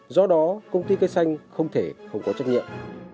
do đó công ty cây xanh không thể không có trách nhiệm